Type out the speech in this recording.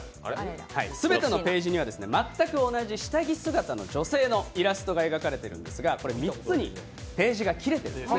全てのページには全く同じ下着姿の女性のイラストが描かれているんですがこれ３つにページが切れています。